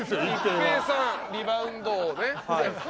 一平さんリバウンド王ね。